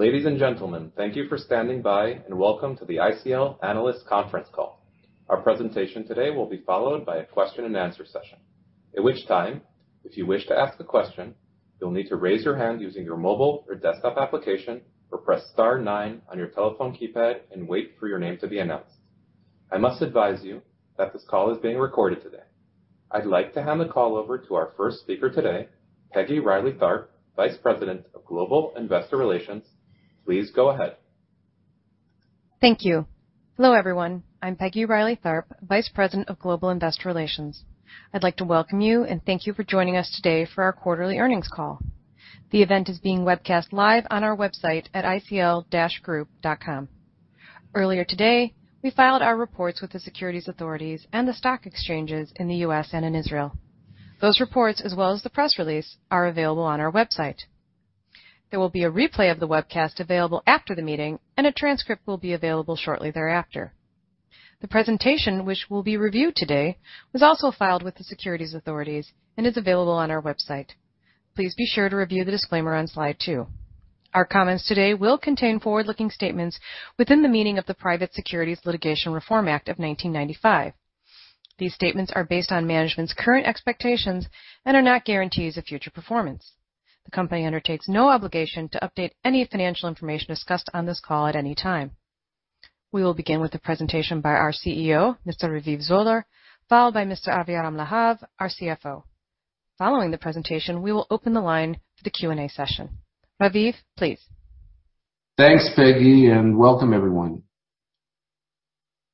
Ladies and gentlemen, thank you for standing by, and welcome to the ICL Analyst Conference Call. Our presentation today will be followed by a question and answer session, at which time, if you wish to ask a question, you'll need to raise your hand using your mobile or desktop application, or press star nine on your telephone keypad and wait for your name to be announced. I must advise you that this call is being recorded today. I'd like to hand the call over to our first speaker today, Peggy Reilly Tharp, Vice President of Global Investor Relations. Please go ahead. Thank you. Hello, everyone. I'm Peggy Reilly Tharp, Vice President of Global Investor Relations. I'd like to welcome you, and thank you for joining us today for our quarterly earnings call. The event is being webcast live on our website at icl-group.com. Earlier today, we filed our reports with the securities authorities and the stock exchanges in the U.S. and in Israel. Those reports, as well as the press release, are available on our website. There will be a replay of the webcast available after the meeting, and a transcript will be available shortly thereafter. The presentation, which will be reviewed today, was also filed with the securities authorities and is available on our website. Please be sure to review the disclaimer on slide two. Our comments today will contain forward-looking statements within the meaning of the Private Securities Litigation Reform Act of 1995. These statements are based on management's current expectations and are not guarantees of future performance. The company undertakes no obligation to update any financial information discussed on this call at any time. We will begin with a presentation by our CEO, Mr. Raviv Zoller, followed by Mr. Aviram Lahav, our CFO. Following the presentation, we will open the line for the Q&A session. Raviv, please. Thanks, Peggy, and welcome everyone.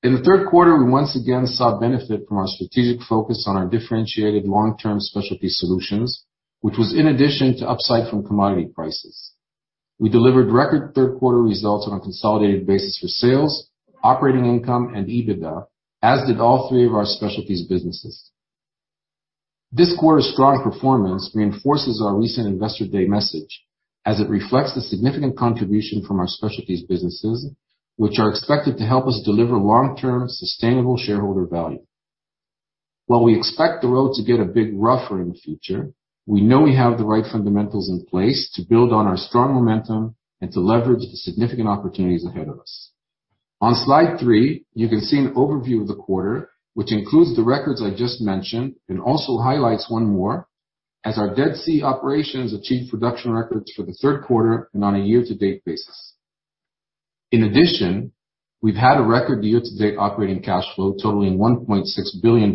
In the Q3, we once again saw benefit from our strategic focus on our differentiated long-term specialty solutions, which was in addition to upside from commodity prices. We delivered record Q3 results on a consolidated basis for sales, operating income, and EBITDA, as did all three of our specialties businesses. This quarter's strong performance reinforces our recent Investor Day message as it reflects the significant contribution from our specialties businesses, which are expected to help us deliver long-term sustainable shareholder value. While we expect the road to get a bit rougher in the future, we know we have the right fundamentals in place to build on our strong momentum and to leverage the significant opportunities ahead of us. On slide three, you can see an overview of the quarter, which includes the records I just mentioned, and also highlights one more, as our Dead Sea operations achieved production records for the Q3 and on a year-to-date basis. In addition, we've had a record year-to-date operating cash flow totaling $1.6 billion.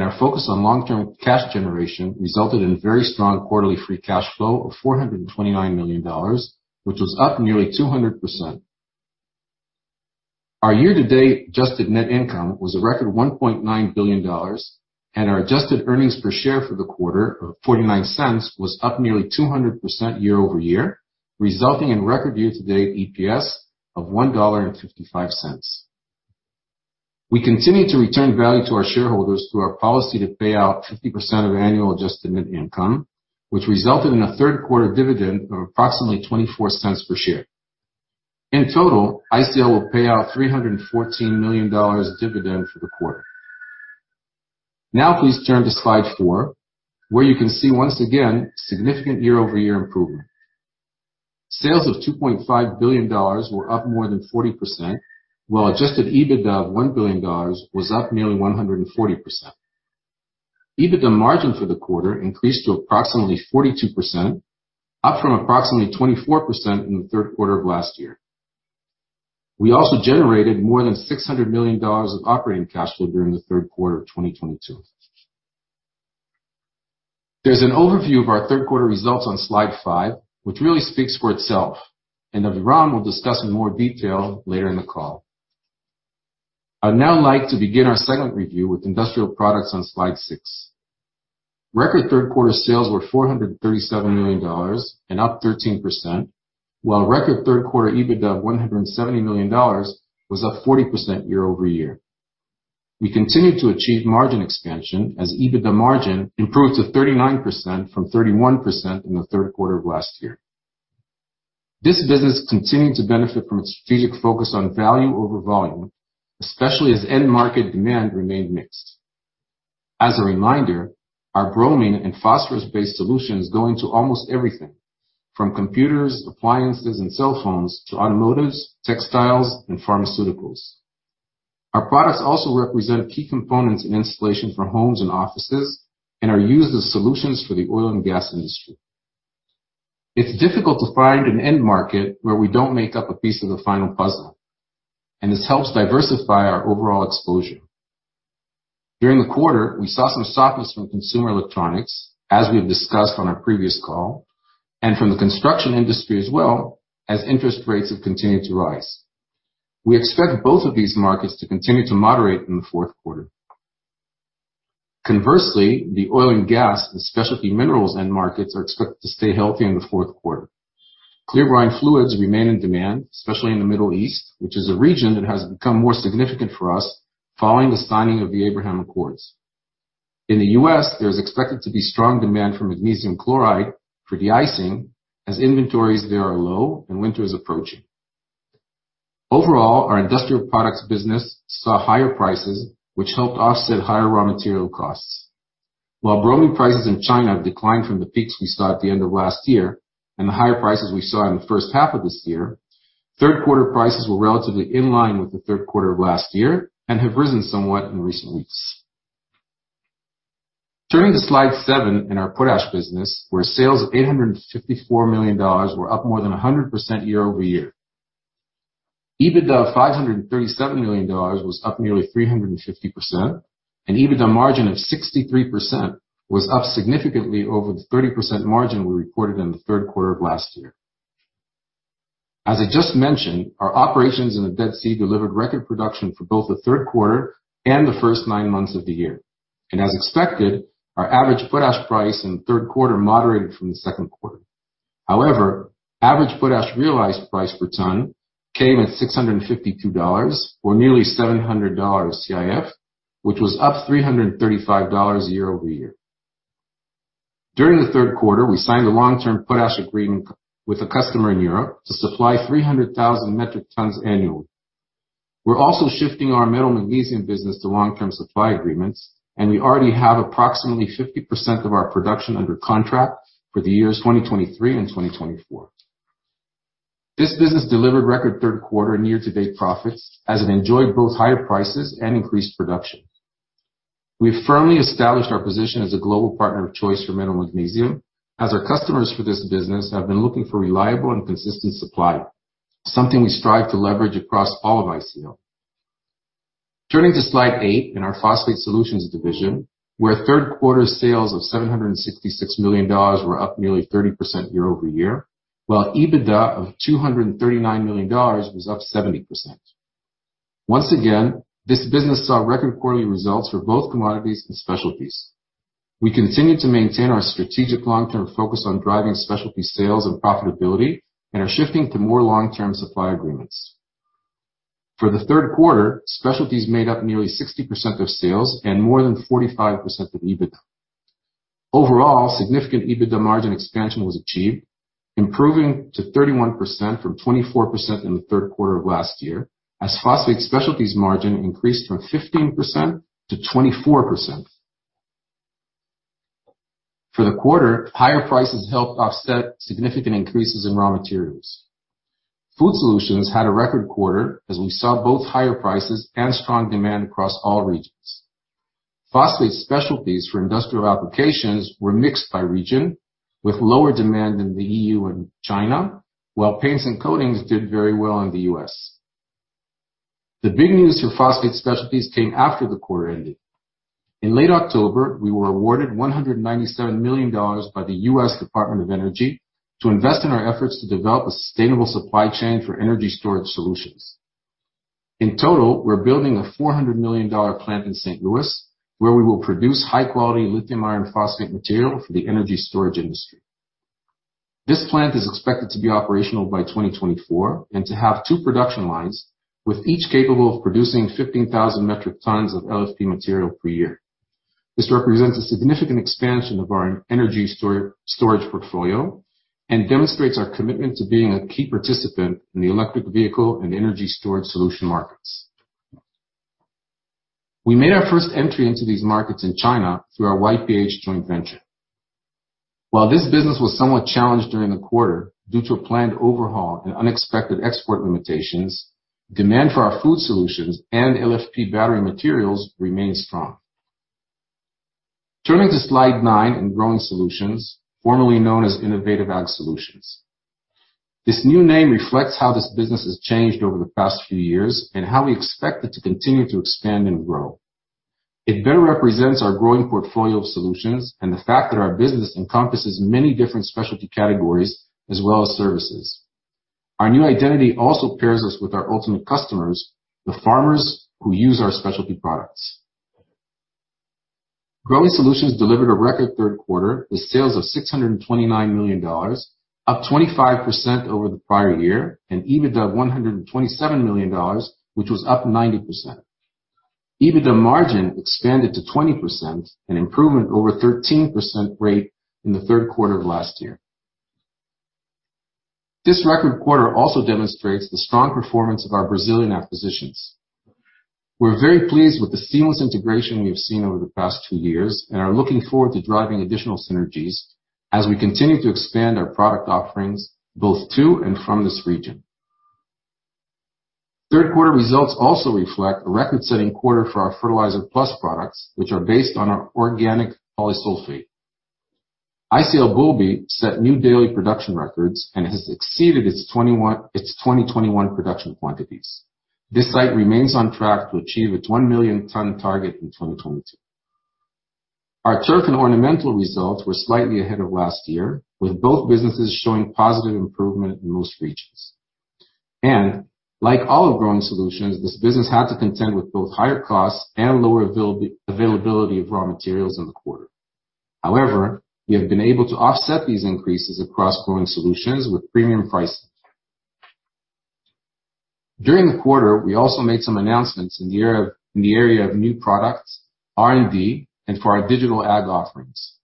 Our focus on long-term cash generation resulted in very strong quarterly free cash flow of $429 million, which was up nearly 200%. Our year-to-date adjusted net income was a record $1.9 billion, and our adjusted earnings per share for the quarter of $0.49 was up nearly 200% year-over-year, resulting in record year-to-date EPS of $1.55. We continue to return value to our shareholders through our policy to pay out 50% of annual adjusted net income, which resulted in a Q3 dividend of approximately $0.24 per share. In total, ICL will pay out $314 million dividend for the quarter. Now please turn to slide four, where you can see once again significant year-over-year improvement. Sales of $2.5 billion were up more than 40%, while adjusted EBITDA of $1 billion was up nearly 140%. EBITDA margin for the quarter increased to approximately 42%, up from approximately 24% in the Q3 of last year. We also generated more than $600 million of operating cash flow during the Q3 of 2022. There's an overview of our Q3 results on slide five, which really speaks for itself, and Aviram will discuss in more detail later in the call. I'd now like to begin our segment review with Industrial Products on slide six. Record Q3 sales were $437 million and up 13%, while record Q3 EBITDA of $170 million was up 40% year-over-year. We continued to achieve margin expansion as EBITDA margin improved to 39% from 31% in the Q3 of last year. This business continued to benefit from a strategic focus on value over volume, especially as end market demand remained mixed. As a reminder, our bromine and phosphorus-based solutions go into almost everything from computers, appliances, and cell phones to automotives, textiles, and pharmaceuticals. Our products also represent key components in installation for homes and offices and are used as solutions for the oil and gas industry. It's difficult to find an end market where we don't make up a piece of the final puzzle, and this helps diversify our overall exposure. During the quarter, we saw some softness from consumer electronics, as we have discussed on our previous call, and from the construction industry as well, as interest rates have continued to rise. We expect both of these markets to continue to moderate in the Q4. Conversely, the oil and gas and specialty minerals end markets are expected to stay healthy in the Q4. Clear brine fluids remain in demand, especially in the Middle East, which is a region that has become more significant for us following the signing of the Abraham Accords. In the U.S., there is expected to be strong demand for magnesium chloride for de-icing, as inventories there are low and winter is approaching. Overall, our Industrial Products business saw higher prices, which helped offset higher raw material costs. While bromine prices in China have declined from the peaks we saw at the end of last year and the higher prices we saw in the H1 of this year, Q3 prices were relatively in line with the Q3 of last year and have risen somewhat in recent weeks. Turning to slide seven in our Potash business, where sales of $854 million were up more than 100% year-over-year. EBITDA of $537 million was up nearly 350%, and EBITDA margin of 63% was up significantly over the 30% margin we reported in the Q3 of last year. As I just mentioned, our operations in the Dead Sea delivered record production for both the Q3 and the first nine months of the year. As expected, our average potash price in the Q3 moderated from the Q2. However, average potash realized price per ton came at $652, or nearly $700 CIF, which was up $335 year over year. During the Q3, we signed a long-term potash agreement with a customer in Europe to supply 300,000 metric tons annually. We're also shifting our metal magnesium business to long-term supply agreements, and we already have approximately 50% of our production under contract for the years 2023 and 2024. This business delivered record Q3 and year-to-date profits as it enjoyed both higher prices and increased production. We firmly established our position as a global partner of choice for metal magnesium, as our customers for this business have been looking for reliable and consistent supply, something we strive to leverage across all of ICL. Turning to slide eight in our Phosphate Solutions division, where Q3 sales of $766 million were up nearly 30% year-over-year, while EBITDA of $239 million was up 70%. Once again, this business saw record quarterly results for both commodities and specialties. We continue to maintain our strategic long-term focus on driving specialty sales and profitability and are shifting to more long-term supply agreements. For the Q3, specialties made up nearly 60% of sales and more than 45% of EBITDA. Overall, significant EBITDA margin expansion was achieved, improving to 31% from 24% in the Q3 of last year, as phosphate specialties margin increased from 15% to 24%. For the quarter, higher prices helped offset significant increases in raw materials. Food Solutions had a record quarter as we saw both higher prices and strong demand across all regions. Phosphate specialties for industrial applications were mixed by region, with lower demand in the E.U. and China, while paints and coatings did very well in the U.S. The big news for phosphate specialties came after the quarter ended. In late October, we were awarded $197 million by the U.S. Department of Energy to invest in our efforts to develop a sustainable supply chain for energy storage solutions. In total, we're building a $400 million plant in St. Louis, where we will produce high-quality lithium iron phosphate material for the energy storage industry. This plant is expected to be operational by 2024 and to have two production lines, with each capable of producing 15,000 metric tons of LFP material per year. This represents a significant expansion of our energy storage portfolio and demonstrates our commitment to being a key participant in the electric vehicle and energy storage solution markets. We made our first entry into these markets in China through our YPH joint venture. While this business was somewhat challenged during the quarter due to a planned overhaul and unexpected export limitations, demand for our food solutions and LFP battery materials remains strong. Turning to slide nine in Growing Solutions, formerly known as Innovative Ag Solutions. This new name reflects how this business has changed over the past few years and how we expect it to continue to expand and grow. It better represents our growing portfolio of solutions and the fact that our business encompasses many different specialty categories as well as services. Our new identity also pairs us with our ultimate customers, the farmers who use our specialty products. Growing Solutions delivered a record Q3 with sales of $629 million, up 25% over the prior year, and EBITDA of $127 million, which was up 90%. EBITDA margin expanded to 20%, an improvement over 13% rate in the Q3 of last year. This record quarter also demonstrates the strong performance of our Brazilian acquisitions. We're very pleased with the seamless integration we have seen over the past two years and are looking forward to driving additional synergies as we continue to expand our product offerings both to and from this region. Q3 results also reflect a record-setting quarter for our FertilizerpluS products, which are based on our organic Polysulphate. ICL Boulby set new daily production records and has exceeded its 2021 production quantities. This site remains on track to achieve its one million ton target in 2022. Our turf and ornamental results were slightly ahead of last year, with both businesses showing positive improvement in most regions. Like all of Growing Solutions, this business had to contend with both higher costs and lower availability of raw materials in the quarter. However, we have been able to offset these increases across Growing Solutions with premium pricing. During the quarter, we also made some announcements in the area of new products, R&D, and for our digital ag offerings.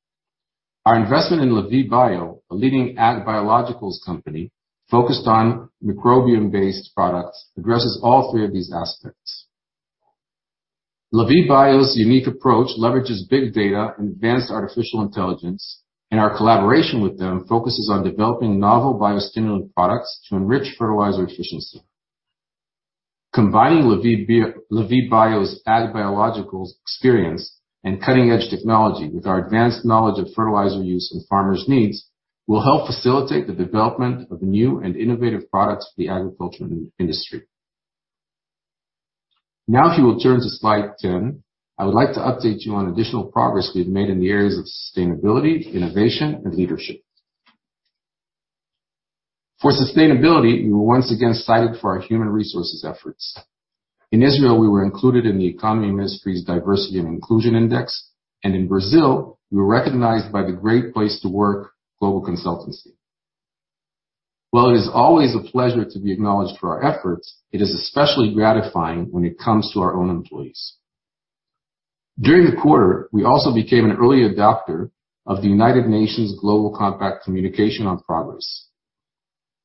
Our investment in Lavie Bio, a leading ag biologicals company focused on microbiome-based products, addresses all three of these aspects. Lavie Bio's unique approach leverages big data and advanced artificial intelligence, and our collaboration with them focuses on developing novel biostimulant products to enrich fertilizer efficiency. Combining Lavie Bio's ag biologicals experience and cutting-edge technology with our advanced knowledge of fertilizer use and farmers' needs will help facilitate the development of new and innovative products for the agriculture industry. Now, if you will turn to slide 10, I would like to update you on additional progress we've made in the areas of sustainability, innovation, and leadership. For sustainability, we were once again cited for our human resources efforts. In Israel, we were included in the Economy Ministry's Diversity and Inclusion Index. In Brazil, we were recognized by the Great Place to Work global consultancy. While it is always a pleasure to be acknowledged for our efforts, it is especially gratifying when it comes to our own employees. During the quarter, we also became an early adopter of the United Nations Global Compact Communication on Progress.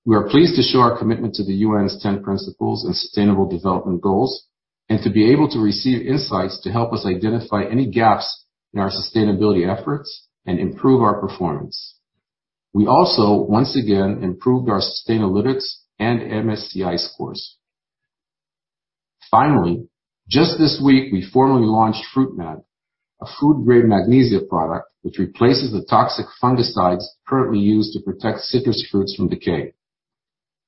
We are pleased to show our commitment to the UN's 10 principles and sustainable development goals, and to be able to receive insights to help us identify any gaps in our sustainability efforts and improve our performance. We also once again improved our Sustainalytics and MSCI scores. Finally, just this week, we formally launched FruitMag, a food-grade magnesium product which replaces the toxic fungicides currently used to protect citrus fruits from decay.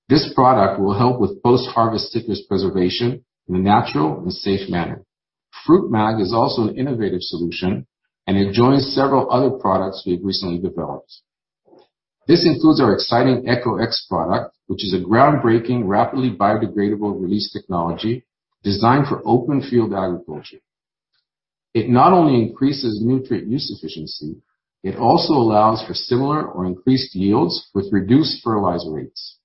This product will help with post-harvest citrus preservation in a natural and safe manner. FruitMag is also an innovative solution, and it joins several other products we've recently developed. This includes our exciting eqo.x product, which is a groundbreaking, rapidly biodegradable release technology designed for open field agriculture. It not only increases nutrient use efficiency, it also allows for similar or increased yields with reduced fertilizer rates.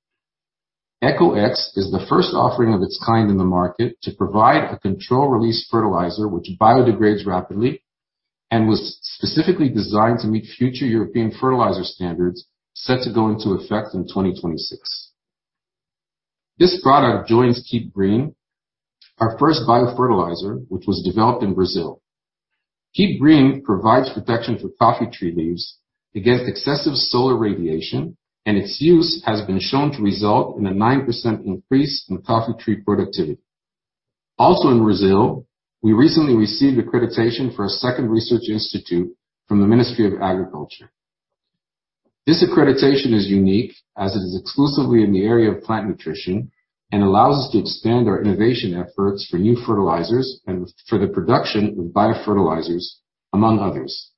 Eqo.x is the first offering of its kind in the market to provide a control release fertilizer which biodegrades rapidly and was specifically designed to meet future European fertilizer standards set to go into effect in 2026. This product joins Keep Green, our first biofertilizer, which was developed in Brazil. Keep Green provides protection for coffee tree leaves against excessive solar radiation, and its use has been shown to result in a 9% increase in coffee tree productivity. Also in Brazil, we recently received accreditation for a second research institute from the Ministry of Agriculture. This accreditation is unique as it is exclusively in the area of plant nutrition and allows us to expand our innovation efforts for new fertilizers and for the production of biofertilizers, among others.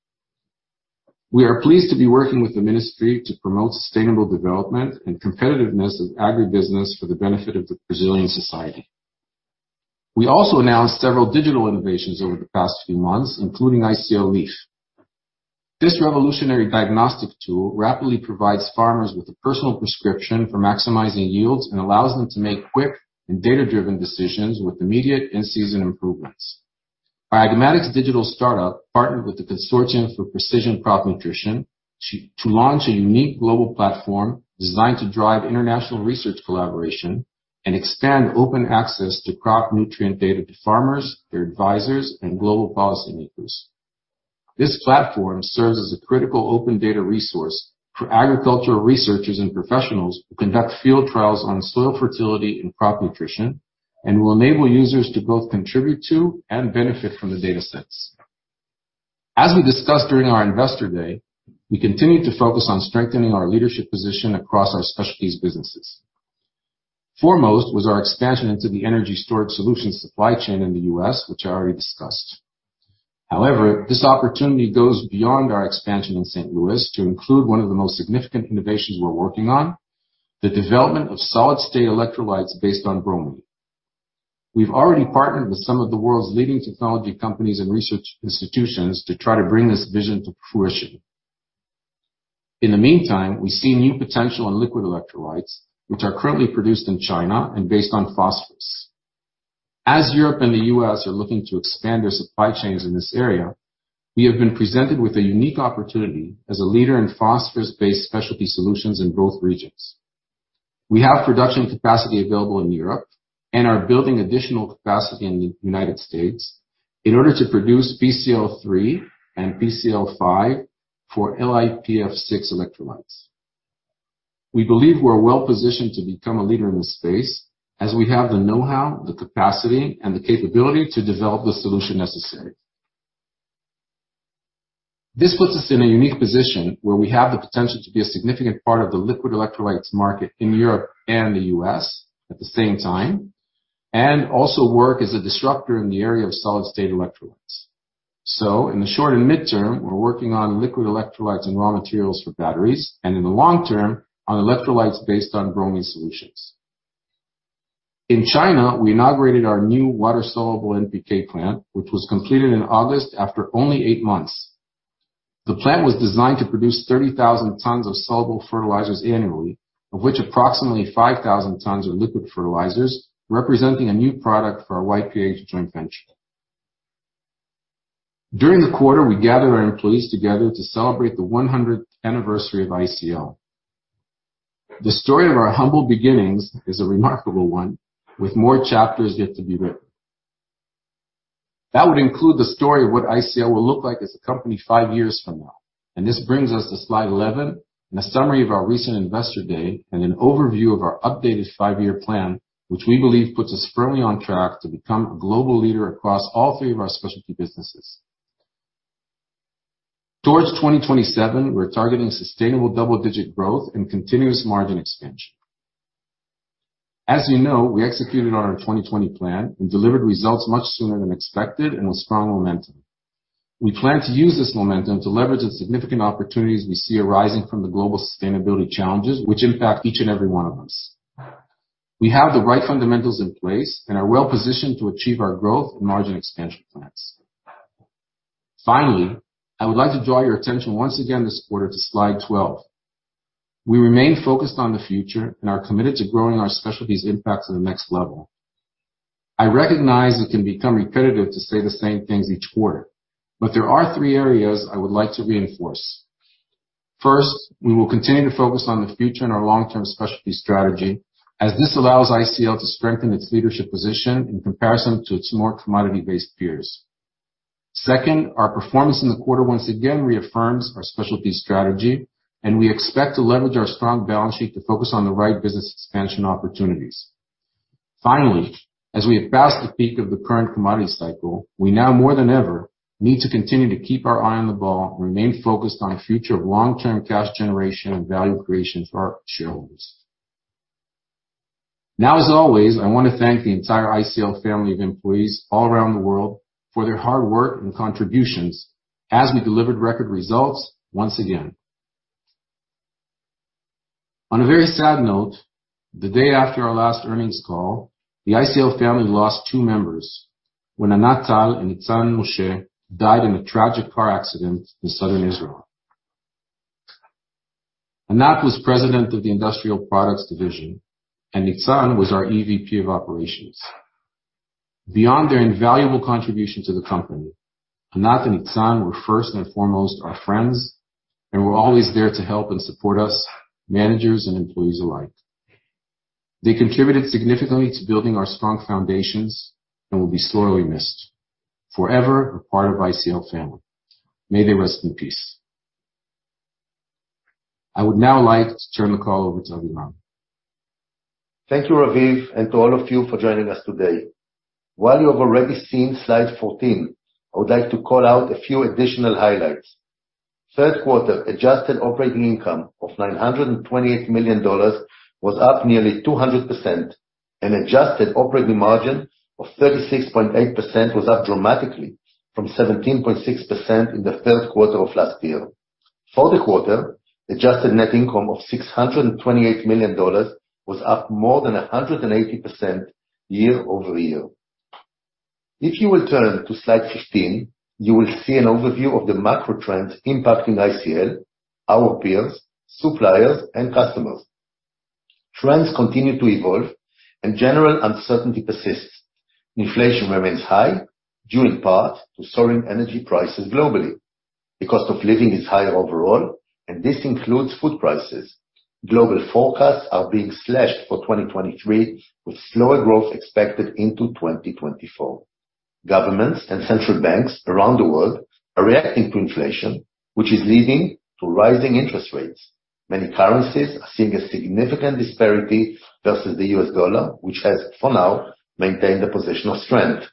We are pleased to be working with the ministry to promote sustainable development and competitiveness of agribusiness for the benefit of the Brazilian society. We also announced several digital innovations over the past few months, including ICL-Leaf. This revolutionary diagnostic tool rapidly provides farmers with a personal prescription for maximizing yields and allows them to make quick and data-driven decisions with immediate in-season improvements. Our Agmatix digital startup partnered with the Consortium for Precision Crop Nutrition to launch a unique global platform designed to drive international research collaboration and expand open access to crop nutrient data to farmers, their advisors, and global policymakers. This platform serves as a critical open data resource for agricultural researchers and professionals who conduct field trials on soil fertility and crop nutrition, and will enable users to both contribute to and benefit from the datasets. As we discussed during our investor day, we continue to focus on strengthening our leadership position across our specialties businesses. Foremost was our expansion into the energy storage solutions supply chain in the U.S., which I already discussed. However, this opportunity goes beyond our expansion in St. Louis to include one of the most significant innovations we're working on, the development of solid-state electrolytes based on bromine. We've already partnered with some of the world's leading technology companies and research institutions to try to bring this vision to fruition. In the meantime, we see new potential in liquid electrolytes, which are currently produced in China and based on phosphorus. As Europe and the U.S. are looking to expand their supply chains in this area, we have been presented with a unique opportunity as a leader in phosphorus-based specialty solutions in both regions. We have production capacity available in Europe and are building additional capacity in the United States in order to produce PCl3 and PCl5 for LiPF6 electrolytes. We believe we're well-positioned to become a leader in this space as we have the know-how, the capacity, and the capability to develop the solution necessary. This puts us in a unique position where we have the potential to be a significant part of the liquid electrolytes market in Europe and the U.S. at the same time, and also work as a disruptor in the area of solid-state electrolytes. In the short and mid-term, we're working on liquid electrolytes and raw materials for batteries, and in the long term, on electrolytes based on bromine solutions. In China, we inaugurated our new water-soluble NPK plant, which was completed in August after only eight months. The plant was designed to produce 30,000 tons of soluble fertilizers annually, of which approximately 5,000 tons are liquid fertilizers, representing a new product for our YPH joint venture. During the quarter, we gathered our employees together to celebrate the 100th anniversary of ICL. The story of our humble beginnings is a remarkable one, with more chapters yet to be written. That would include the story of what ICL will look like as a company five years from now. This brings us to slide 11 and a summary of our recent Investor Day and an overview of our updated five-year plan, which we believe puts us firmly on track to become a global leader across all three of our specialty businesses. Towards 2027, we're targeting sustainable double-digit growth and continuous margin expansion. As you know, we executed on our 2020 plan and delivered results much sooner than expected and with strong momentum. We plan to use this momentum to leverage the significant opportunities we see arising from the global sustainability challenges which impact each and every one of us. We have the right fundamentals in place and are well-positioned to achieve our growth and margin expansion plans. Finally, I would like to draw your attention once again this quarter to slide 12. We remain focused on the future and are committed to growing our specialties impact to the next level. I recognize it can become repetitive to say the same things each quarter, but there are three areas I would like to reinforce. First, we will continue to focus on the future and our long-term specialty strategy as this allows ICL to strengthen its leadership position in comparison to its more commodity-based peers. Second, our performance in the quarter once again reaffirms our specialty strategy, and we expect to leverage our strong balance sheet to focus on the right business expansion opportunities. Finally, as we have passed the peak of the current commodity cycle, we now more than ever need to continue to keep our eye on the ball and remain focused on a future of long-term cash generation and value creation for our shareholders. Now, as always, I want to thank the entire ICL family of employees all around the world for their hard work and contributions as we delivered record results once again. On a very sad note, the day after our last earnings call, the ICL family lost two members when Anat Tal-Ktalav and Nitzan Moshe died in a tragic car accident in Southern Israel. Anat was president of the Industrial Products Division, and Nitzan was our EVP of Operations. Beyond their invaluable contribution to the company, Anat and Nitzan were first and foremost our friends and were always there to help and support us, managers and employees alike. They contributed significantly to building our strong foundations and will be sorely missed. Forever a part of ICL family. May they rest in peace. I would now like to turn the call over to Aviram Lahav. Thank you, Raviv, and to all of you for joining us today. While you have already seen slide 14, I would like to call out a few additional highlights. Q3 adjusted operating income of $928 million was up nearly 200%, and adjusted operating margin of 36.8% was up dramatically from 17.6% in the Q3 of last year. For the quarter, adjusted net income of $628 million was up more than 180% year over year. If you will turn to slide 15, you will see an overview of the macro trends impacting ICL, our peers, suppliers, and customers. Trends continue to evolve and general uncertainty persists. Inflation remains high, due in part to soaring energy prices globally. The cost of living is higher overall, and this includes food prices. Global forecasts are being slashed for 2023, with slower growth expected into 2024. Governments and central banks around the world are reacting to inflation, which is leading to rising interest rates. Many currencies are seeing a significant disparity versus the US dollar, which has, for now, maintained a position of strength.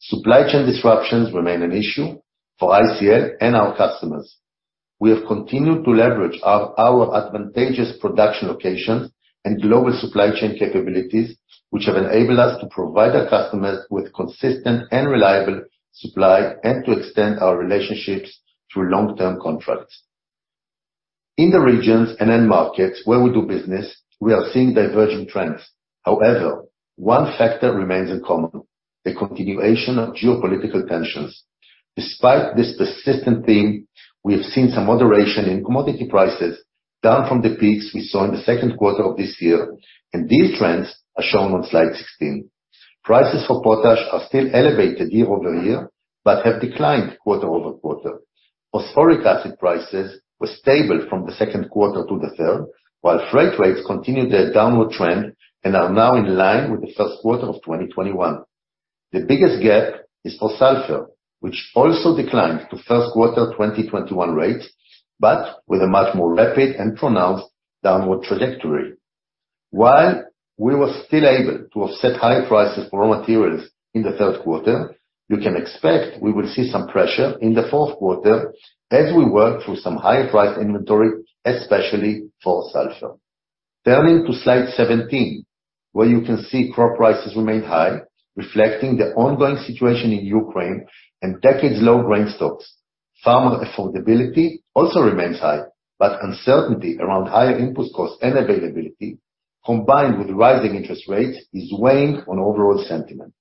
Supply chain disruptions remain an issue for ICL and our customers. We have continued to leverage our advantageous production locations and global supply chain capabilities, which have enabled us to provide our customers with consistent and reliable supply and to extend our relationships through long-term contracts. In the regions and end markets where we do business, we are seeing diverging trends. However, one factor remains in common, the continuation of geopolitical tensions. Despite this persistent theme, we have seen some moderation in commodity prices down from the peaks we saw in the Q2 of this year, and these trends are shown on slide 16. Prices for potash are still elevated year-over-year, but have declined quarter-over-quarter. Phosphoric acid prices were stable from the Q2 to the third, while freight rates continued their downward trend and are now in line with the Q1 of 2021. The biggest gap is for sulfur, which also declined to Q1 2021 rates, but with a much more rapid and pronounced downward trajectory. While we were still able to offset high prices for raw materials in the Q3, you can expect we will see some pressure in the Q4 as we work through some higher priced inventory, especially for sulfur. Turning to slide 17, where you can see crop prices remain high, reflecting the ongoing situation in Ukraine and decades-low grain stocks. Farmer affordability also remains high, but uncertainty around higher input costs and availability, combined with rising interest rates, is weighing on overall sentiment.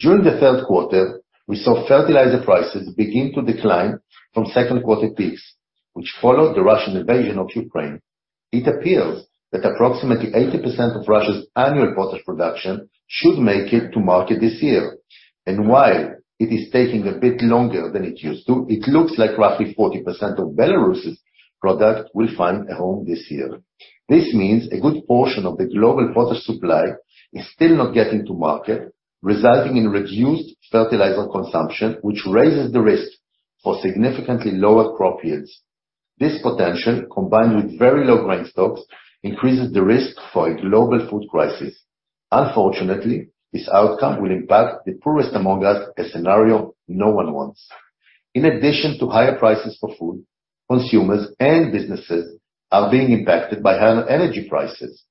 During the Q3, we saw fertilizer prices begin to decline from Q2 peaks, which followed the Russian invasion of Ukraine. It appears that approximately 80% of Russia's annual potash production should make it to market this year. While it is taking a bit longer than it used to, it looks like roughly 40% of Belarus' product will find a home this year. This means a good portion of the global potash supply is still not getting to market, resulting in reduced fertilizer consumption, which raises the risk for significantly lower crop yields. This potential, combined with very low grain stocks, increases the risk for a global food crisis. Unfortunately, this outcome will impact the poorest among us, a scenario no one wants. In addition to higher prices for food, consumers and businesses are being impacted by higher energy prices.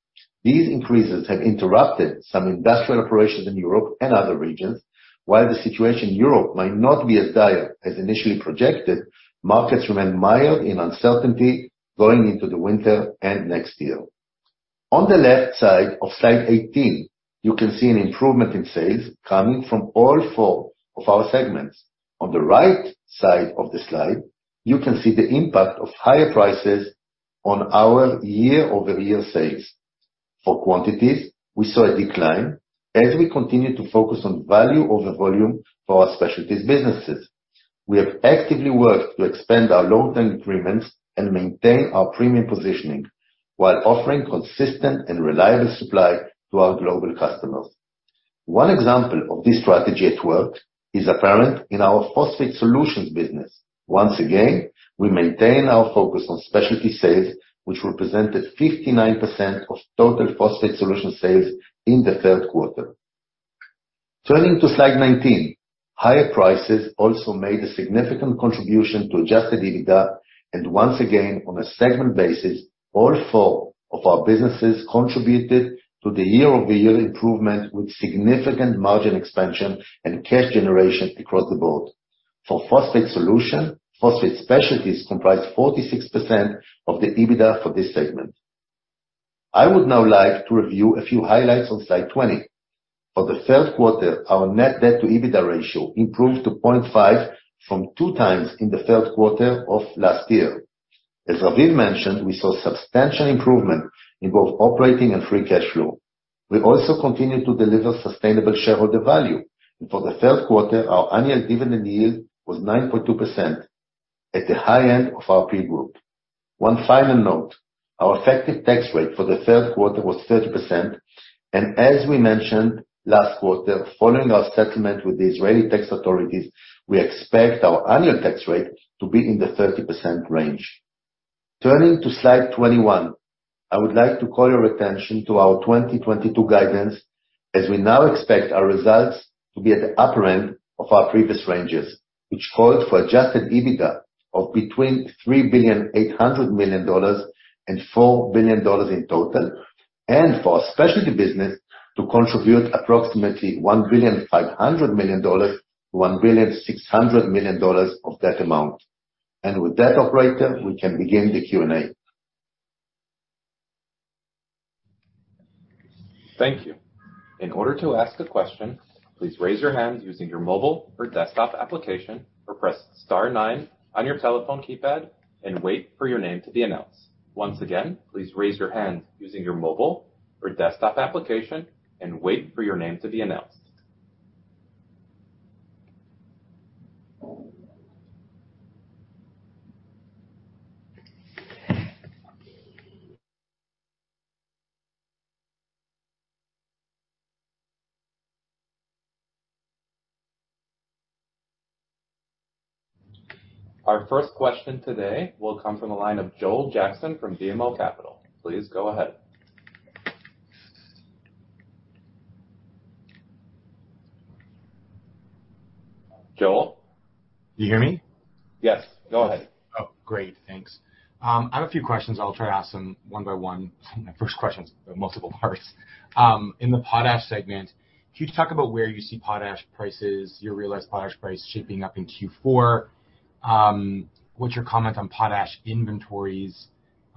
These increases have interrupted some industrial operations in Europe and other regions. While the situation in Europe might not be as dire as initially projected, markets remain mired in uncertainty going into the winter and next year. On the left side of slide 18, you can see an improvement in sales coming from all four of our segments. On the right side of the slide, you can see the impact of higher prices on our year-over-year sales. For quantities, we saw a decline as we continue to focus on value over volume for our specialties businesses. We have actively worked to expand our long-term agreements and maintain our premium positioning while offering consistent and reliable supply to our global customers. One example of this strategy at work is apparent in our Phosphate Solutions business. Once again, we maintain our focus on specialty sales, which represented 59% of total Phosphate Solutions sales in the Q3. Turning to slide 19. Higher prices also made a significant contribution to adjusted EBITDA, and once again, on a segment basis, all four of our businesses contributed to the year-over-year improvement, with significant margin expansion and cash generation across the board. For Phosphate Solutions, phosphate specialties comprised 46% of the EBITDA for this segment. I would now like to review a few highlights on slide 20. For the Q3, our net debt to EBITDA ratio improved to 0.5 from 2x in the Q3 of last year. As Raviv mentioned, we saw substantial improvement in both operating and free cash flow. We also continued to deliver sustainable shareholder value. For the Q3, our annual dividend yield was 9.2%, at the high end of our peer group. One final note. Our effective tax rate for the Q3 was 30%, and as we mentioned last quarter, following our settlement with the Israeli tax authorities, we expect our annual tax rate to be in the 30% range. Turning to slide 21. I would like to call your attention to our 2022 guidance, as we now expect our results to be at the upper end of our previous ranges, which called for adjusted EBITDA of between $3.8 billion and $4 billion in total, and for our specialty business to contribute approximately $1.5 billion-$1.6 billion of that amount. With that, operator, we can begin the Q&A. Thank you. In order to ask a question, please raise your hand using your mobile or desktop application or press star nine on your telephone keypad and wait for your name to be announced. Once again, please raise your hand using your mobile or desktop application and wait for your name to be announced. Our first question today will come from the line of Joel Jackson from BMO Capital Markets. Please go ahead. Joel? You hear me? Yes, go ahead. Oh, great. Thanks. I have a few questions. I'll try to ask them one by one. My first question's multiple parts. In the potash segment, can you talk about where you see potash prices, your realized potash price shaping up in Q4? What's your comment on potash inventories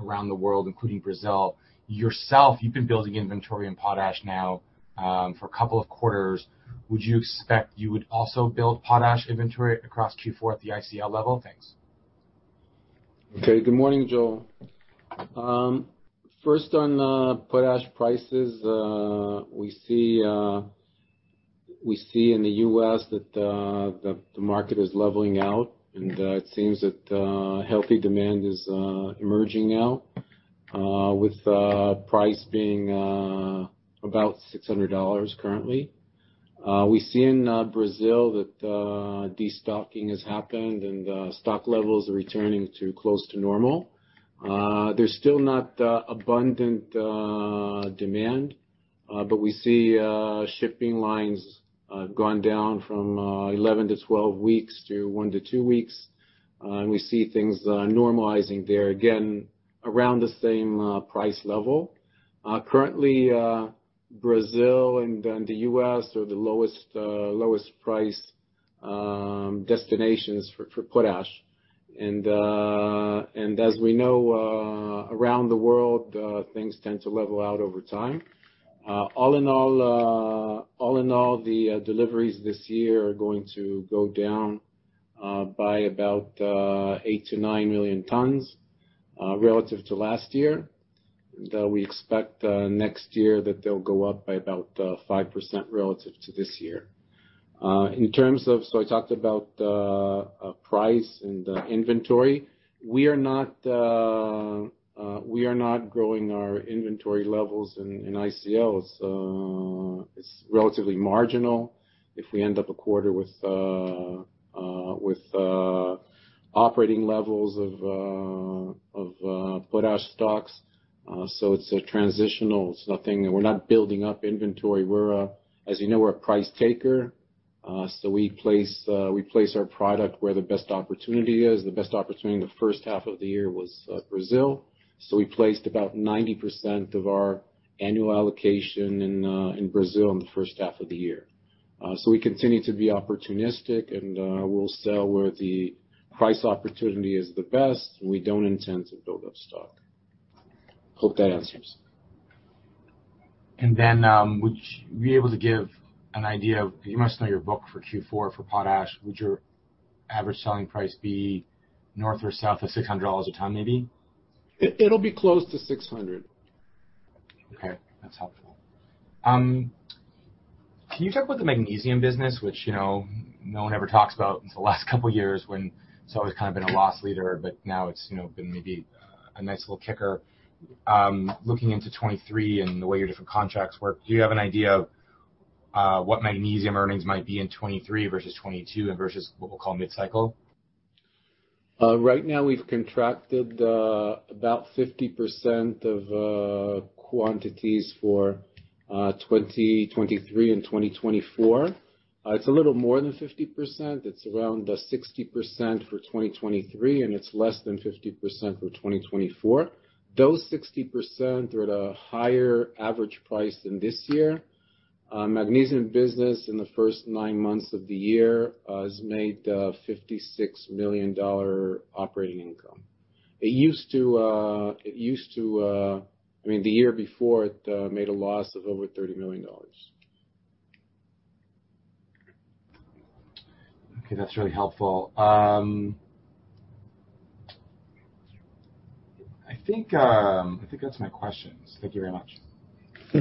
around the world, including Brazil? Yourself, you've been building inventory in potash now, for a couple of quarters. Would you expect you would also build potash inventory across Q4 at the ICL level? Thanks. Okay. Good morning, Joel. First on potash prices. We see in the U.S. that the market is leveling out, and it seems that healthy demand is emerging now, with price being about $600 currently. We see in Brazil that destocking has happened and stock levels are returning to close to normal. There's still not abundant demand, but we see shipping lines gone down from 11-12 weeks to one to two. Weeks. We see things normalizing there again around the same price level. Currently, Brazil and then the U.S. are the lowest priced destinations for potash. As we know, around the world, things tend to level out over time. All in all, the deliveries this year are going to go down. By about 8-9 million tons relative to last year. Though we expect next year that they'll go up by about 5% relative to this year. I talked about price and inventory. We are not growing our inventory levels in ICL, so it's relatively marginal. If we end up a quarter with operating levels of potash stocks, so it's a transitional. It's nothing. We're not building up inventory. As you know, we're a price taker, so we place our product where the best opportunity is. The best opportunity in the H1 of the year was Brazil, so we placed about 90% of our annual allocation in Brazil in the H1 of the year. We continue to be opportunistic and we'll sell where the price opportunity is the best. We don't intend to build up stock. Hope that answers. Would you be able to give an idea? You must know your book for Q4 for potash. Would your average selling price be north or south of $600 a ton maybe? It'll be close to 600. Okay. That's helpful. Can you talk about the magnesium business which, you know, no one ever talks about until the last couple of years when it's always kind of been a loss leader, but now it's, you know, been maybe a nice little kicker. Looking into 2023 and the way your different contracts work, do you have an idea of what magnesium earnings might be in 2023 versus 2022 and versus what we'll call mid-cycle? Right now we've contracted about 50% of quantities for 2023 and 2024. It's a little more than 50%. It's around 60% for 2023, and it's less than 50% for 2024. Those 60% are at a higher average price than this year. Magnesium business in the first nine months of the year has made $56 million operating income. It used to. I mean, the year before, it made a loss of over $30 million. Okay. That's really helpful. I think that's my questions. Thank you very much.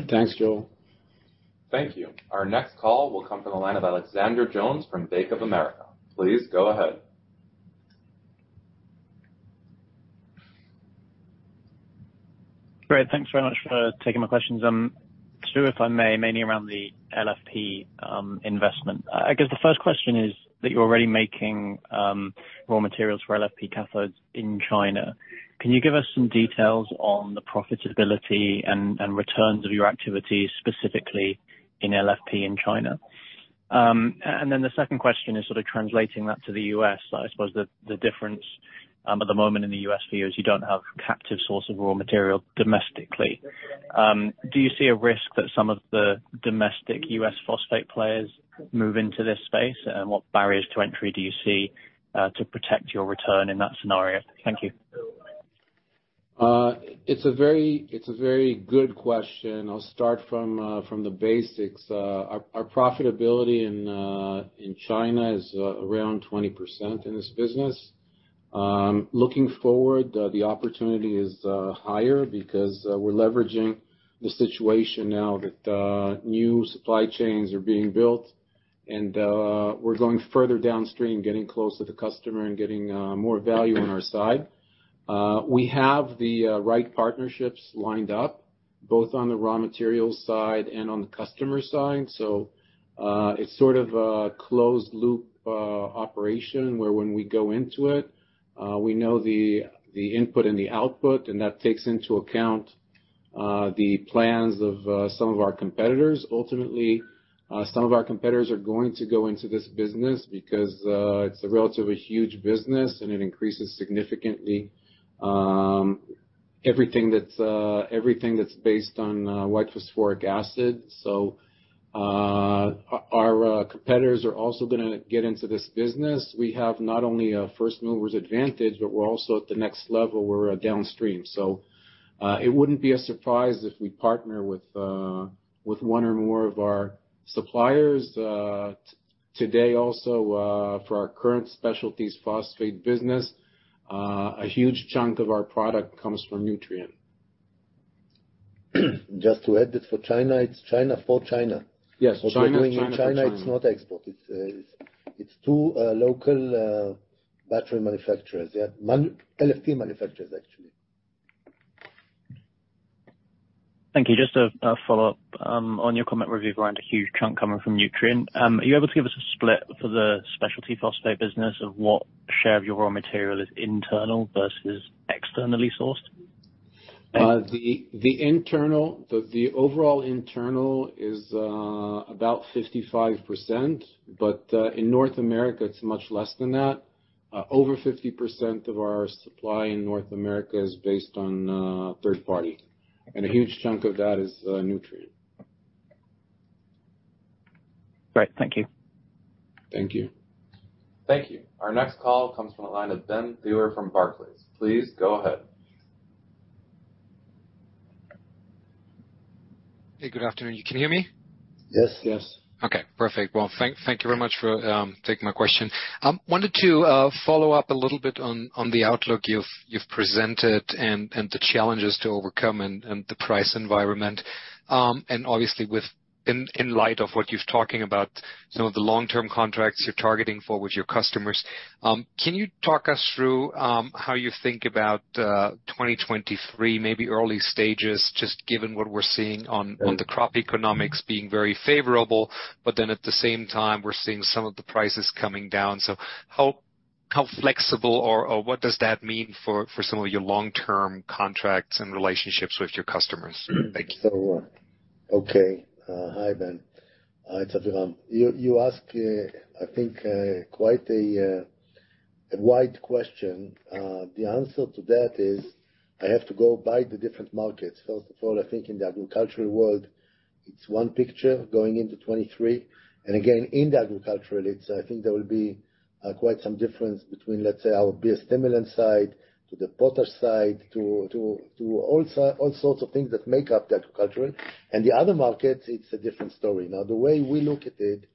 Thanks, Joel. Thank you. Our next call will come from the line of Alexander Jones from Bank of America. Please go ahead. Great. Thanks very much for taking my questions. Stu, if I may, mainly around the LFP investment. I guess the first question is that you're already making raw materials for LFP cathodes in China. Can you give us some details on the profitability and returns of your activities, specifically in LFP in China? And then the second question is sort of translating that to the U.S. I suppose the difference at the moment in the U.S. for you is you don't have captive source of raw material domestically. Do you see a risk that some of the domestic U.S. phosphate players move into this space? What barriers to entry do you see to protect your return in that scenario? Thank you. It's a very good question. I'll start from the basics. Our profitability in China is around 20% in this business. Looking forward, the opportunity is higher because we're leveraging the situation now that new supply chains are being built and we're going further downstream, getting close to the customer and getting more value on our side. We have the right partnerships lined up, both on the raw materials side and on the customer side. It's sort of a closed loop operation, where when we go into it, we know the input and the output, and that takes into account the plans of some of our competitors. Ultimately, some of our competitors are going to go into this business because it's a relatively huge business and it increases significantly everything that's based on white phosphoric acid. Our competitors are also gonna get into this business. We have not only a first-mover's advantage, but we're also at the next level. We're downstream. It wouldn't be a surprise if we partner with one or more of our suppliers. Today also, for our current specialty phosphate business, a huge chunk of our product comes from Nutrien. Just to add, it's for China. It's China for China. Yes. China for China. What we are doing in China is not export. It's 2 local battery manufacturers. Yeah. LFP manufacturers, actually. Thank you. Just a follow-up on your comment Raviv around a huge chunk coming from Nutrien. Are you able to give us a split for the specialty phosphate business of what share of your raw material is internal versus externally sourced? The overall internal is about 55%, but in North America, it's much less than that. Over 50% of our supply in North America is based on third party, and a huge chunk of that is Nutrien. Great. Thank you. Thank you. Thank you. Our next call comes from the line of Benjamin Theurer from Barclays. Please go ahead. Hey, good afternoon. You can hear me? Yes. Yes. Okay, perfect. Well, thank you very much for taking my question. Wanted to follow up a little bit on the outlook you've presented and the challenges to overcome and the price environment. And obviously in light of what you're talking about, some of the long-term contracts you're targeting for with your customers, can you talk us through how you think about 2023, maybe early stages, just given what we're seeing on the crop economics being very favorable, but then at the same time, we're seeing some of the prices coming down. So how flexible or what does that mean for some of your long-term contracts and relationships with your customers? Thank you. Okay. Hi, Ben. It's Aviram. You ask, I think, quite a wide question. The answer to that is I have to go by the different markets. First of all, I think in the agricultural world, it's one picture going into 2023. Again, in the agricultural, I think there will be quite some difference between, let's say, our biostimulant side to the potash side to all sorts of things that make up the agricultural. The other markets, it's a different story. Now, the way we look at it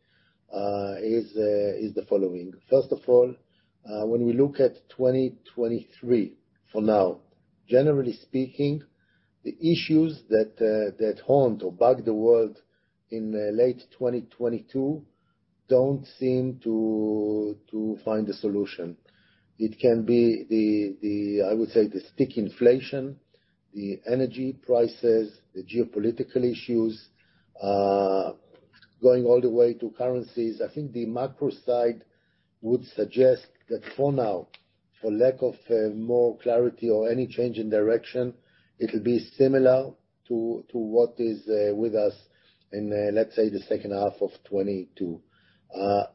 is the following. First of all, when we look at 2023, for now, generally speaking, the issues that haunt or bug the world in late 2022 don't seem to find a solution. It can be the, I would say, the sticky inflation, the energy prices, the geopolitical issues, going all the way to currencies. I think the macro side would suggest that for now, for lack of more clarity or any change in direction, it'll be similar to what is with us in, let's say, the H2 of 2022.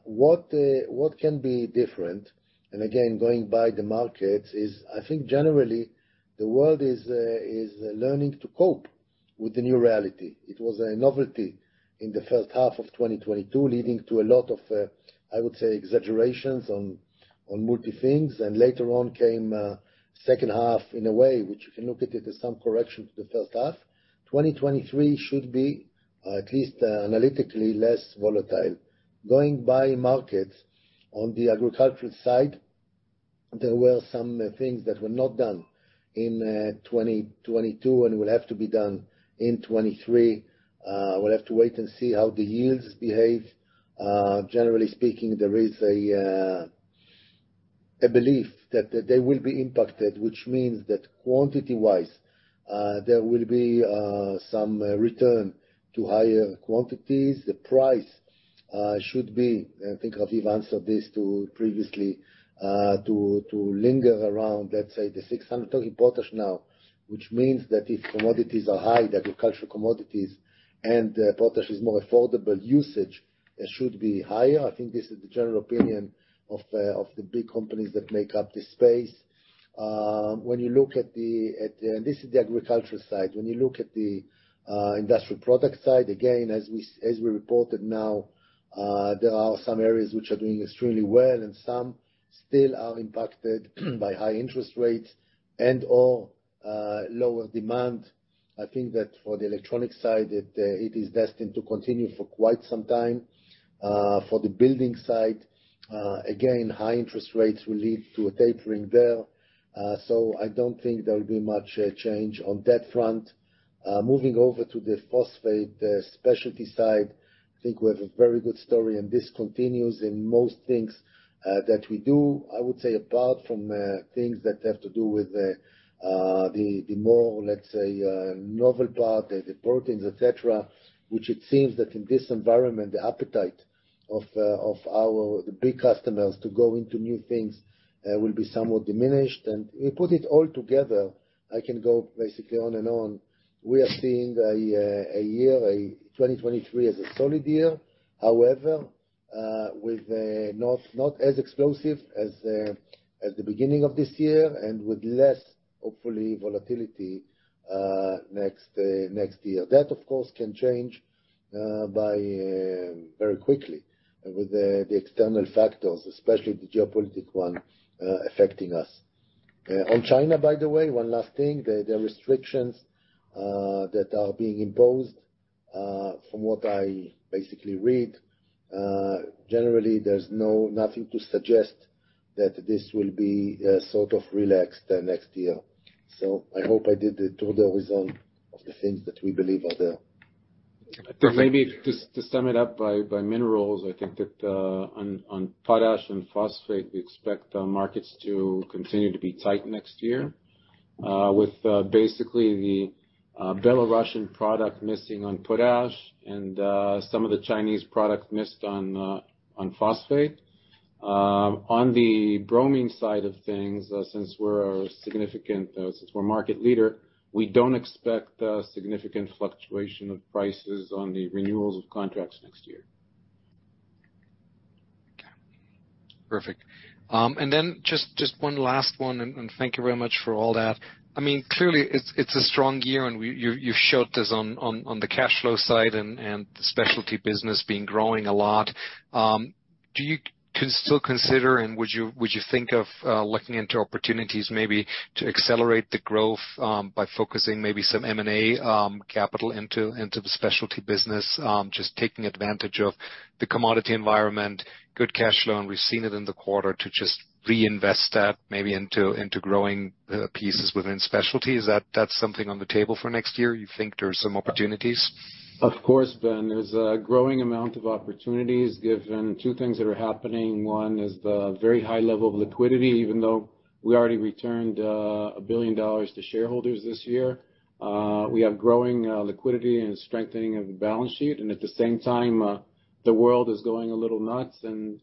What can be different, and again, going by the markets, is I think generally the world is learning to cope with the new reality. It was a novelty in the H1 of 2022, leading to a lot of, I would say, exaggerations on multiple things, and later on came H2 in a way which you can look at it as some correction to the H1. 2023 should be, at least analytically, less volatile. Going by market on the agricultural side, there were some things that were not done in 2022 and will have to be done in 2023. We'll have to wait and see how the yields behave. Generally speaking, there is a belief that they will be impacted, which means that quantity-wise there will be some return to higher quantities. The price should be, I think Raviv answered this previously, to linger around, let's say $600. I'm talking Potash now, which means that if commodities are high, the agricultural commodities and the Potash is more affordable, usage, it should be higher. I think this is the general opinion of the big companies that make up this space. When you look at the, at. This is the agricultural side. When you look at the Industrial Products side, again, as we reported now, there are some areas which are doing extremely well and some still are impacted by high interest rates and/or lower demand. I think that for the electronic side, it is destined to continue for quite some time. For the building side, again, high interest rates will lead to a tapering there. So I don't think there will be much change on that front. Moving over to the phosphate specialty side, I think we have a very good story, and this continues in most things that we do. I would say apart from things that have to do with the more, let's say, novel part, the proteins, et cetera, which it seems that in this environment, the appetite of our big customers to go into new things will be somewhat diminished. You put it all together, I can go basically on and on. We are seeing a 2023 as a solid year. However, with not as explosive as the beginning of this year and with less, hopefully, volatility next year. That, of course, can change very quickly with the external factors, especially the geopolitical one affecting us. On China, by the way, one last thing, the restrictions that are being imposed, from what I basically read, generally there's nothing to suggest that this will be sort of relaxed next year. I hope I did the tour d'horizon of the things that we believe are there. Maybe just to sum it up by minerals, I think that on potash and phosphate, we expect the markets to continue to be tight next year, with basically the Belarusian product missing on potash and some of the Chinese product missing on phosphate. On the bromine side of things, since we're market leader, we don't expect a significant fluctuation of prices on the renewals of contracts next year. Okay. Perfect. Just one last one, and thank you very much for all that. I mean, clearly it's a strong year and you showed this on the cash flow side and the specialty business being growing a lot. Do you still consider, and would you think of looking into opportunities maybe to accelerate the growth by focusing maybe some M&A capital into the specialty business, just taking advantage of the commodity environment, good cash flow, and we've seen it in the quarter to just reinvest that maybe into growing pieces within specialty? Is that something on the table for next year? You think there are some opportunities? Of course, Ben, there's a growing amount of opportunities given two things that are happening. One is the very high level of liquidity even though we already returned $1 billion to shareholders this year. We have growing liquidity and strengthening of the balance sheet, and at the same time, the world is going a little nuts, and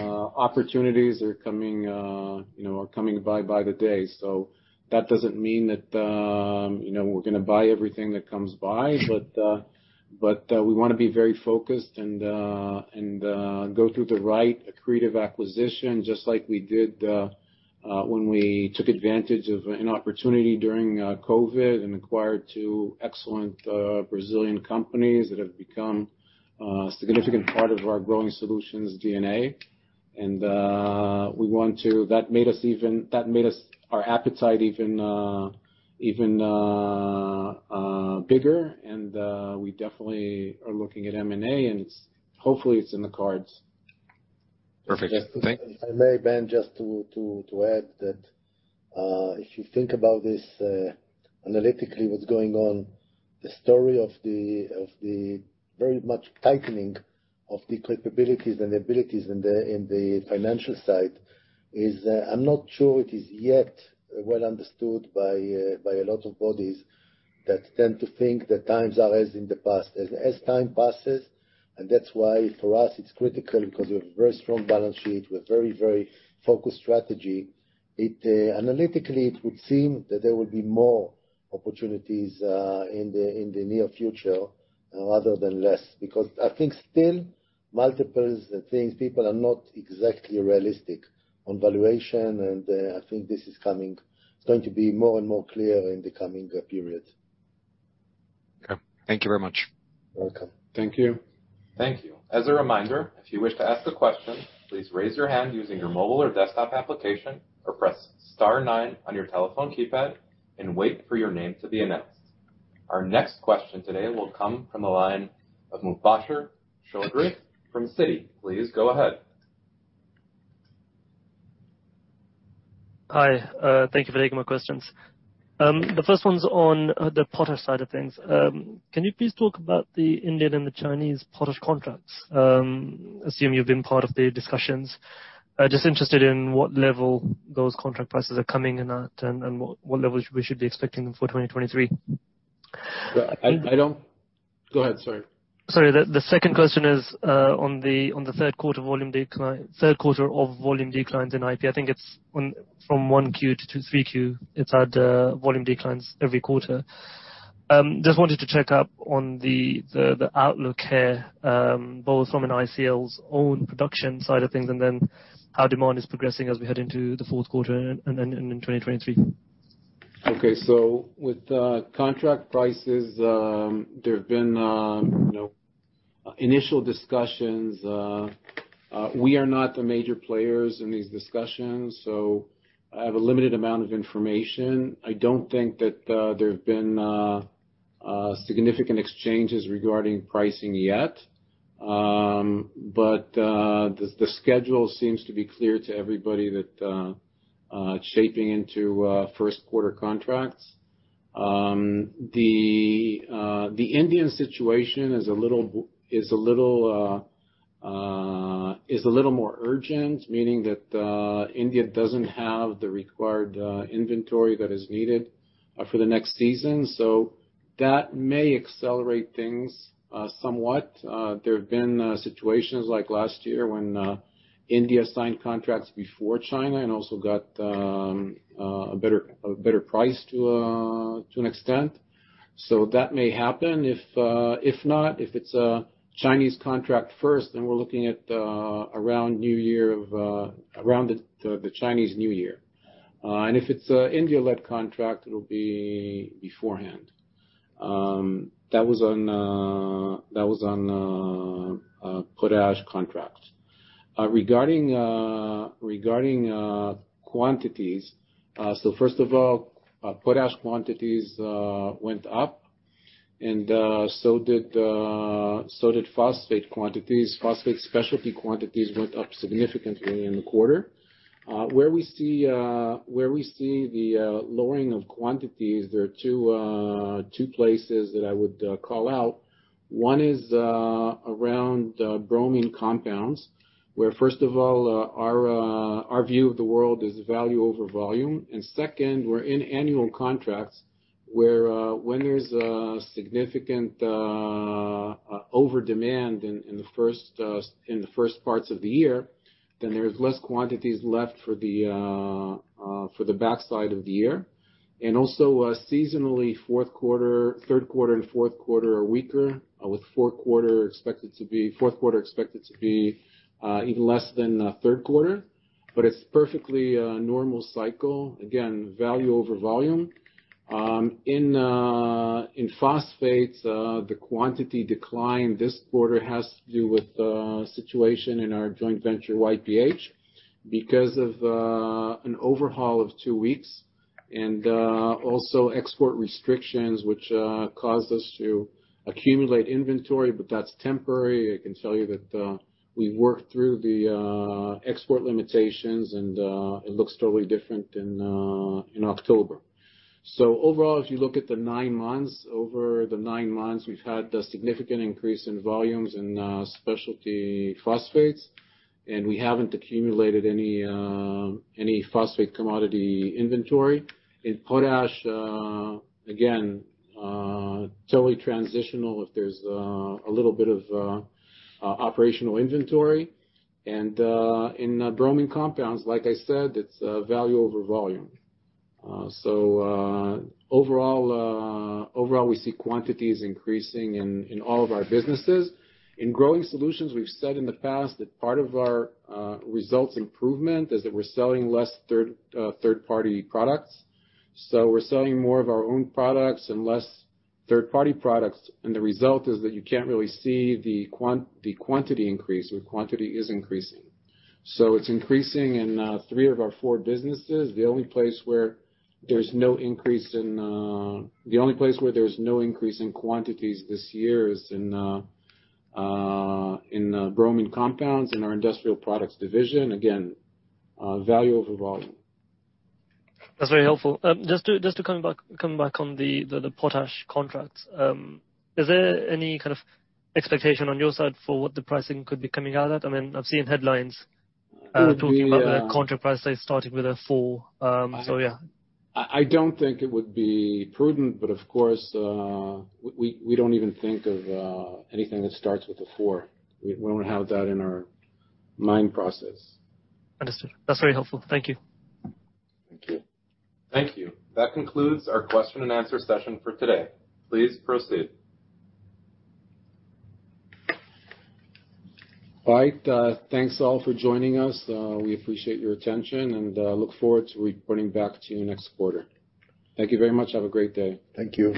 opportunities are coming, you know, by the day. That doesn't mean that, you know, we're gonna buy everything that comes by. But we wanna be very focused and go through the right accretive acquisition, just like we did when we took advantage of an opportunity during COVID and acquired two excellent Brazilian companies that have become a significant part of our Growing Solutions DNA. That made our appetite even bigger, and we definitely are looking at M&A, and hopefully it's in the cards. Perfect. Thank you. If I may, Ben, just to add that, if you think about this analytically, what's going on, the story of the very much tightening of the capabilities and the abilities in the financial side is. I'm not sure it is yet well understood by a lot of bodies that tend to think that times are as in the past. As time passes, and that's why for us it's critical because we have a very strong balance sheet with very focused strategy. It analytically, it would seem that there would be more opportunities in the near future other than less. Because I think still multiples and things, people are not exactly realistic on valuation, and I think this is coming. It's going to be more and more clear in the coming period. Okay. Thank you very much. You're welcome. Thank you. Thank you. As a reminder, if you wish to ask a question, please raise your hand using your mobile or desktop application or press star nine on your telephone keypad and wait for your name to be announced. Our next question today will come from the line of Mubasher Choudhry from Citi. Please go ahead. Hi, thank you for taking my questions. The first one's on the potash side of things. Can you please talk about the Indian and the Chinese potash contracts? Assume you've been part of the discussions. Just interested in what level those contract prices are coming in at and what levels we should be expecting them for 2023. Well, I don't. Go ahead. Sorry. Sorry. The second question is on the Q3 of volume declines in IP. I think it's on from 1Q to 2Q, 3Q. It's had volume declines every quarter. Just wanted to check up on the outlook here, both from ICL's own production side of things and then how demand is progressing as we head into the Q4 and then in 2023. Okay. With contract prices, there have been, you know, initial discussions. We are not the major players in these discussions, so I have a limited amount of information. I don't think that there have been significant exchanges regarding pricing yet. The schedule seems to be clear to everybody that it's shaping into Q1 contracts. The Indian situation is a little more urgent, meaning that India doesn't have the required inventory that is needed for the next season. That may accelerate things somewhat. There have been situations like last year when India signed contracts before China and also got a better price to an extent. That may happen. If not, if it's a Chinese contract first, then we're looking at around New Year of around the Chinese New Year. If it's an India-led contract, it'll be beforehand. That was on potash contracts. Regarding quantities. First of all, potash quantities went up, and so did phosphate quantities. Phosphate specialty quantities went up significantly in the quarter. Where we see the lowering of quantities, there are two places that I would call out. One is around bromine compounds, where, first of all, our view of the world is value over volume. Second, we're in annual contracts where, when there's a significant over demand in the first parts of the year, then there's less quantities left for the backside of the year. Seasonally, Q3 and Q4 are weaker, with Q4 expected to be even less than Q3. It's perfectly normal cycle. Again, value over volume. In phosphates, the quantity decline this quarter has to do with the situation in our joint venture, YPH, because of an overhaul of two weeks and also export restrictions which caused us to accumulate inventory, but that's temporary. I can tell you that we've worked through the export limitations and it looks totally different in October. Overall, if you look at the nine months, over the nine months, we've had a significant increase in volumes in specialty phosphates, and we haven't accumulated any phosphate commodity inventory. In Potash, again, totally transitional if there's a little bit of operational inventory. In bromine compounds, like I said, it's value over volume. Overall, we see quantities increasing in all of our businesses. In Growing Solutions, we've said in the past that part of our results improvement is that we're selling less third-party products. We're selling more of our own products and less third-party products. The result is that you can't really see the quantity increase. The quantity is increasing. It's increasing in three of our four businesses. The only place where there's no increase in quantities this year is in bromine compounds in our Industrial Products division. Again, value over volume. That's very helpful. Just to come back on the Potash contracts, is there any kind of expectation on your side for what the pricing could be coming out at? I mean, I've seen headlines. It would be. Talking about the contract prices starting with a four. Yeah. I don't think it would be prudent, but of course, we don't even think of anything that starts with a four. We don't have that in our mind process. Understood. That's very helpful. Thank you. Thank you. Thank you. That concludes our question and answer session for today. Please proceed. All right. Thanks, all, for joining us. We appreciate your attention and look forward to reporting back to you next quarter. Thank you very much. Have a great day. Thank you.